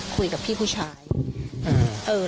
คุยกับพี่ผู้ชาย